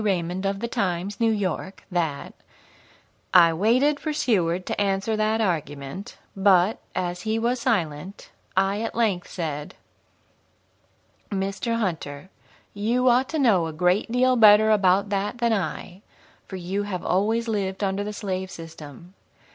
Raymond, of the Times, New York, that: "I waited for Seward to answer that argument, but, as he was silent, I at length said: 'Mr. Hunter, you ought to know a great deal better about that than I, for you have always lived under the slave system.